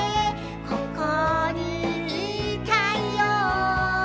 「ここにいたいよ」